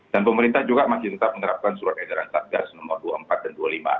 dan pemerintah juga masih tetap menerapkan surat edaran tatgas nomor dua puluh empat dan dua puluh lima